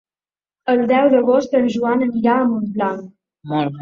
El deu d'agost en Joan anirà a Montblanc.